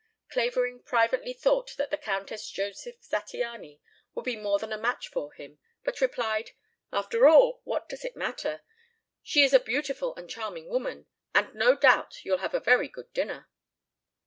Clavering privately thought that the Countess Josef Zattiany would be more than a match for him, but replied: "After all, what does it matter? She is a beautiful and charming woman and no doubt you'll have a very good dinner."